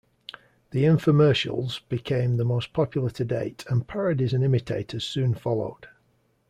The infomercials became the most popular to date, and parodies and imitators soon followed.